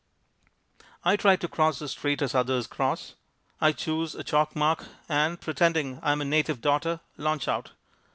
I try to cross the street as others cross. I choose a chalk mark and, pretending I am a native daughter, launch out.